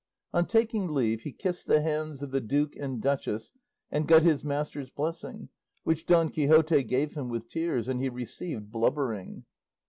On taking leave he kissed the hands of the duke and duchess and got his master's blessing, which Don Quixote gave him with tears, and he received blubbering.